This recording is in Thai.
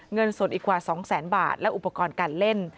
เงินสดอีกกว่า๒แสนบาทและอุปกรณ์การเล่น